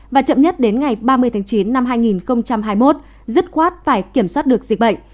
và chậm nhất đến ngày ba mươi tháng chín năm hai nghìn hai mươi một dứt khoát phải kiểm soát được dịch bệnh